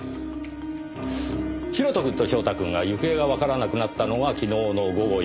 広斗くんと翔太くんが行方がわからなくなったのが昨日の午後４時。